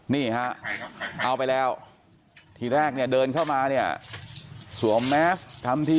นี่ฮะเอาไปแล้วทีแรกเนี่ยเดินเข้ามาเนี่ยสวมแมสทำที